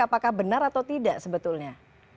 apakah benar atau tidak sebetulnya